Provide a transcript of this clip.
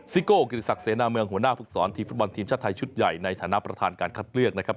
โก้กิติศักดิเสนาเมืองหัวหน้าภูมิสอนทีมฟุตบอลทีมชาติไทยชุดใหญ่ในฐานะประธานการคัดเลือกนะครับ